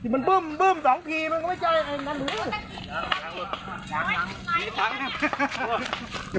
มันบึ้มบึ้มสองทีมันก็ไม่เจออะไร